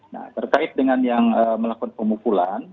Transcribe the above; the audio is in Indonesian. nah terkait dengan yang melakukan pemukulan